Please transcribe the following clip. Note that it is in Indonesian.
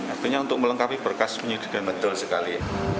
artinya untuk melengkapi berkas penyidikan betul sekali